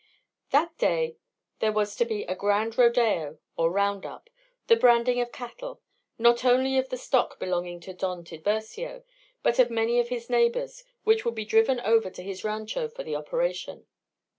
XVI That day there was to be a grand rodeo, or "round up:" the branding of cattle; not only of the stock belonging to Don Tiburcio, but of many of his neighbours, which would be driven over to his rancho for the operation.